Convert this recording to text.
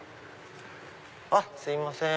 あっすいません。